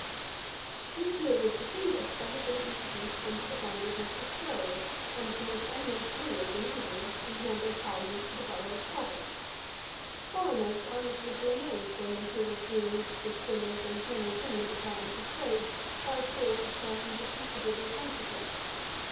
[Page 491: Old Thrale. Ætat 56.] This year was distinguished by his being introduced into the family of Mr. Thrale, one of the most eminent brewers in England, and Member of Parliament for the borough of Southwark. Foreigners are not a little amazed when they hear of brewers, distillers, and men in similar departments of trade, held forth as persons of considerable consequence.